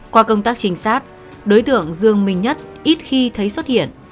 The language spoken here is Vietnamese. qua công tác trinh sát đối tượng dương minh nhất ít khi thấy xuất hiện